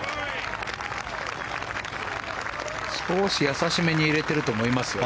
少しやさしめに入れてると思いますよ。